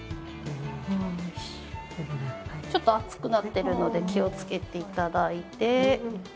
ちょっと熱くなってるので気をつけて頂いて。